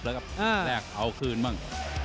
โดนกลับแล้วกับแกอ้าวมีก็คืนบ้าง